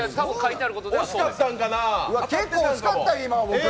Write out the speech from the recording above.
結構惜しかった、今、僕。